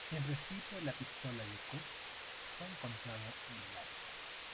El recibo de la pistola de Cook fue encontrado en el auto.